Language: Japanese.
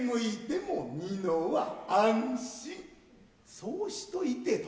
そうしといて殿